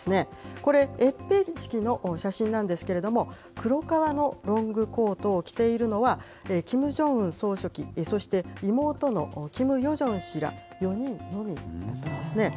これ、閲兵式の写真なんですけれども、黒革のロングコートを着ているのは、キム・ジョンウン総書記、そして妹のキム・ヨジョン氏ら４人のみだったんですね。